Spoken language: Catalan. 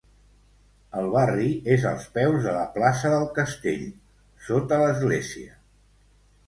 El barri és als peus de la plaça del Castell, sota l'església.